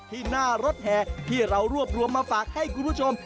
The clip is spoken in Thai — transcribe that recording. ที่หน้ารถแห่ที่เรารวบรวมมาฝากให้คุณผู้ชม